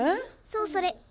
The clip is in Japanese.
そうそれ。